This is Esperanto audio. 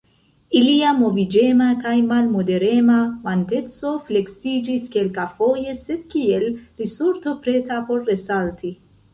Ilia moviĝema kaj malmoderema vanteco fleksiĝis kelkafoje, sed kiel risorto preta por resalti.